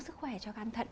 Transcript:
sức khỏe cho can thận